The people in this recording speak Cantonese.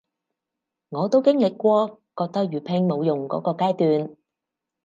我都經歷過覺得粵拼冇用箇個階段